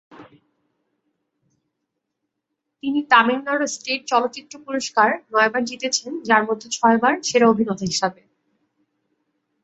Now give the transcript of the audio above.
তিনি তামিলনাড়ু স্টেট চলচ্চিত্র পুরস্কার নয়বার জিতেছেন যার মধ্যে ছয়বার সেরা অভিনেতা হিসেবে।